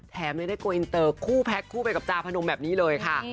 เลยได้โกอินเตอร์คู่แพ็คคู่ไปกับจาพนมแบบนี้เลยค่ะ